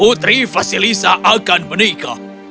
putri vasilisa akan menikah